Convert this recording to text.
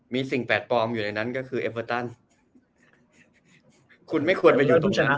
มีสิ่งแปลกปลอมอยู่ในนั้นก็คือเอเวอร์ตันคุณไม่ควรมาอยู่ตรงชนะ